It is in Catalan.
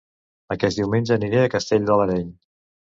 Aquest diumenge aniré a Castell de l'Areny